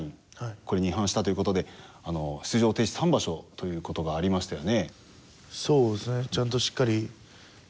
これに違反したということで出場停止３場所ということがありましたよね。